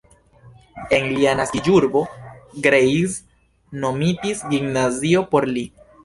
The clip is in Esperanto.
En lia naskiĝurbo Greiz nomitis gimnazio por li.